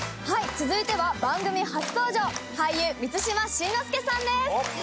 続いては番組初登場俳優満島真之介さんです。